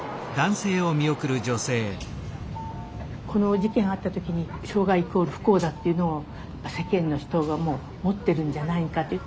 この事件あった時に障害イコール不幸だっていうのを世間の人が思ってるんじゃないかって思いました。